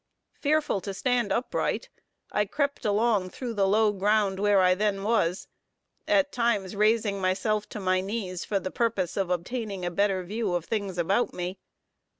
Fearful to stand upright, I crept along through the low ground, where I then was, at times raising myself to my knees, for the purpose of obtaining a better view of things about me.